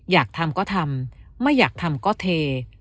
อยากทำก็ทำไม่อยากทำก็เท